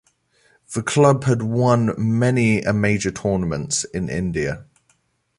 The club had won many a major tournaments in India.